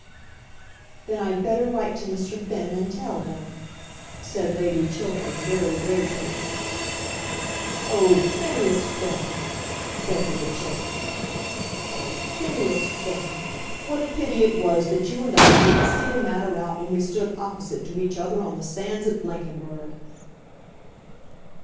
"Then I'd better write to Mr. Finn, and tell him," said Lady Chiltern, very gravely. "Oh, Phineas Finn!" said Lord Chiltern; "oh, Phineas Finn! what a pity it was that you and I didn't see the matter out when we stood opposite to each other on the sands at Blankenberg!"